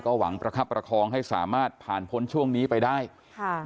หวังประคับประคองให้สามารถผ่านพ้นช่วงนี้ไปได้ค่ะ